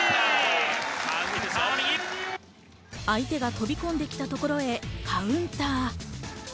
相手が飛び込んできたところへカウンター。